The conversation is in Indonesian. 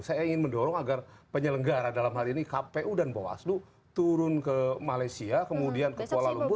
saya ingin mendorong agar penyelenggara dalam hal ini kpu dan bawaslu turun ke malaysia kemudian ke kuala lumpur